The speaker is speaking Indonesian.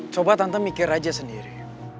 coba tante mikir aja sendiri